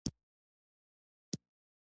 د ګلو درد لپاره باید څه شی وکاروم؟